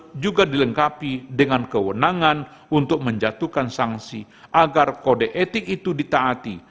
yang juga dilengkapi dengan kewenangan untuk menjatuhkan sanksi agar kode etik itu ditaati